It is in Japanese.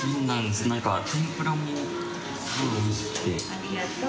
ありがとう。